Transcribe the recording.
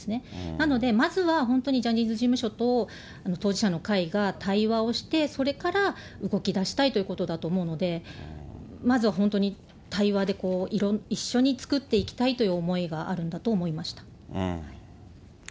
なので、まずは本当に、ジャニーズ事務所と当事者の会が対話をして、それから動きだしたいということだと思うので、まずは本当に対話で一緒に作っていきたいという思いがあるんだと思いました。